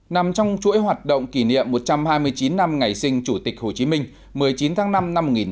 nằm trong chuỗi hoạt động kỷ niệm một trăm hai mươi chín năm ngày sinh chủ tịch hồ chí minh một mươi chín tháng năm năm một nghìn chín trăm bảy mươi